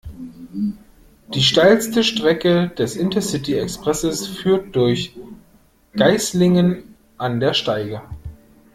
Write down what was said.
Die steilste Strecke des Intercity-Expresses führt durch Geislingen an der Steige.